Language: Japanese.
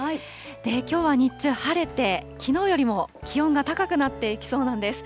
きょうは日中晴れて、きのうよりも気温が高くなっていきそうなんです。